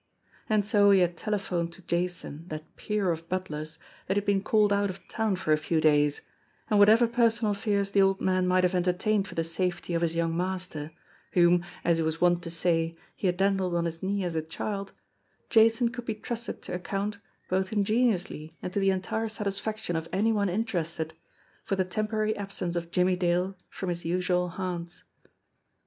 And so he had telephoned to Jason, that peer of butlers, that he had been called out of town for a few days; and whatever personal fears the old man might have entertained for the safety of his young master, whom, as he was wont to say, he had dandled on his knee as a child, Jason could be trusted to account, both ingeniously and to the entire satisfaction of any one inter ested, for the temporary absence of Jimmie Dale from his usual haunts.